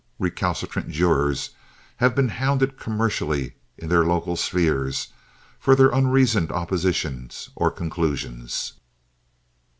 Recalcitrant jurors have been hounded commercially in their local spheres for their unreasoned oppositions or conclusions.